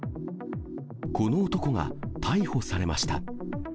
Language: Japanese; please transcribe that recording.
この男が逮捕されました。